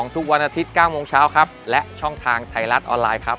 ทุกวันอาทิตย์๙โมงเช้าครับและช่องทางไทยรัฐออนไลน์ครับ